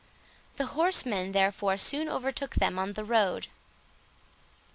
The horsemen, therefore, soon overtook them on the road.